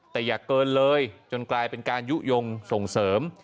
แต่อย่าเกินเลยจนกลายเป็นการยุโยงส่งเสริม